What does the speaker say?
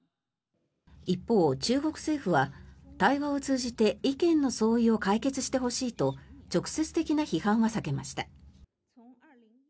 一方、中国政府は対話を通じて意見の相違を解決してほしいと直接的な批判は避けました。